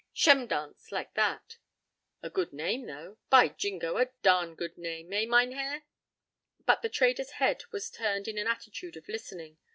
'Shemdance.' Like that." "A good name, though. By jingo! a darn good name. Eh, Mynheer?" But the trader's head was turned in an attitude of listening.